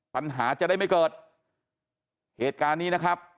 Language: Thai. ปัญหาจะได้ไม่เกิดเหตุการณ์นี้นะครับ